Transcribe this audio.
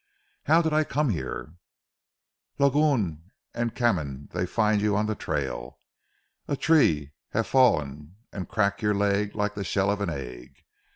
"How did I come here?" "Lagoun and Canim dey find you on ze trail. A tree hav' fallen an' crack your leg like a shell of the egg.